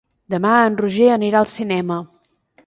Demà en Roger anirà al cinema.